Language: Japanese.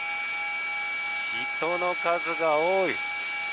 人の数が多い！